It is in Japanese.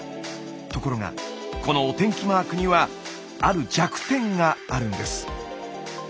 ところがこのお天気マークにはある弱点があるんです。